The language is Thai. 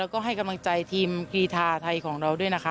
แล้วก็ให้กำลังใจทีมกรีธาไทยของเราด้วยนะคะ